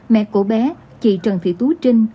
mẹ của bé chị trần thị tú trinh